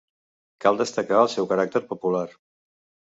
Cal destacar el seu caràcter popular.